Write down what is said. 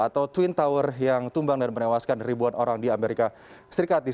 atau twin tower yang tumbang dan menewaskan ribuan orang di amerika serikat